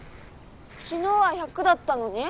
昨日は１００だったのに？